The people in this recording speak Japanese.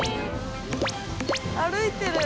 歩いてる！